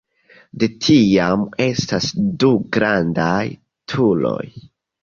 De tiam estas du grandaj turoj.